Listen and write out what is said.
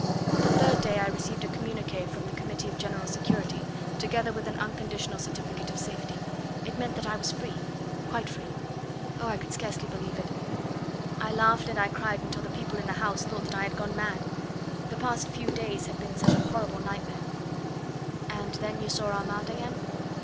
The third day I received a communique from the Committee of General Security, together with an unconditional certificate of safety. It meant that I was free quite free. Oh! I could scarcely believe it. I laughed and I cried until the people in the house thought that I had gone mad. The past few days had been such a horrible nightmare." "And then you saw Armand again?"